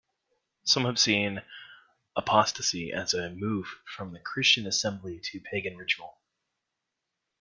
Some have seen apostasy as a move from the Christian assembly to pagan ritual.